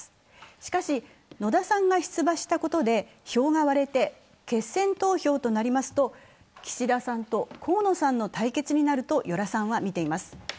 しかし野田さんが出馬したことで票が割れて決選投票となりますと、岸田さんと河野さんの対決になると与良さんはみています。